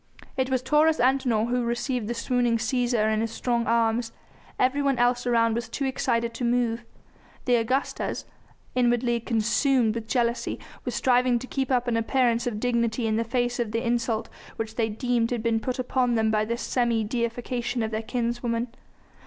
It was Taurus Antinor who received the swooning Cæsar in his strong arms. Everyone else around was too excited to move. The Augustas, inwardly consumed with jealousy, were striving to keep up an appearance of dignity in the face of the insult which they deemed had been put upon them by this semi deification of their kinswoman.